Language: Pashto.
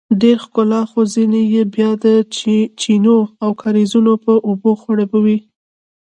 ډیره ښکلا خو ځینې یې بیا د چینو او کاریزونو په اوبو خړوبیږي.